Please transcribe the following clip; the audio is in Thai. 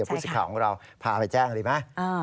พูดสิข่าวของเราพาไปแจ้งดีไหม